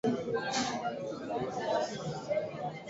Hundreds of vessels converged on the island to pick up cargoes of guano.